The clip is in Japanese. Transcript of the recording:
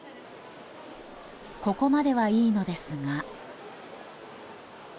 ここまではいいのですが。